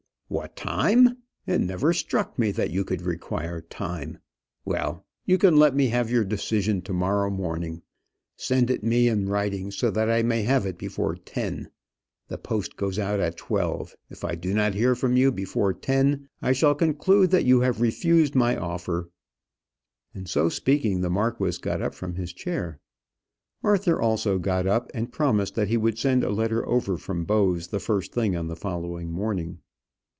"What time! It never struck me that you could require time. Well; you can let me have your decision to morrow morning. Send it me in writing, so that I may have it before ten. The post goes out at twelve. If I do not hear from you before ten, I shall conclude that you have refused my offer." And so speaking the marquis got up from his chair. Arthur also got up, and promised that he would send a letter over from Bowes the first thing on the following morning.